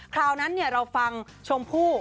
คราวนั้นเนี่ยเราฟังชมผู้